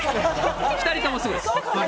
２人ともすごいです。